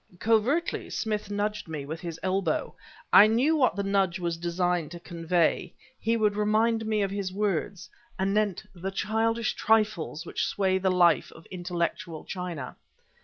Covertly Smith nudged me with his elbow. I knew what the nudge was designed to convey; he would remind me of his words anent the childish trifles which sway the life of intellectual China.